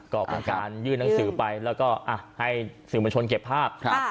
ก็การยื่นนังสือให้สื่อประชวนเก็บภาพ